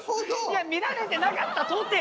いや見られてなかったとて！